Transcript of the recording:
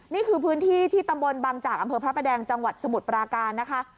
นี่คือพื้นที่ที่ตำบลบังจากอำเภอพระประแดงจังหวัดสมุทรปราการนะคะ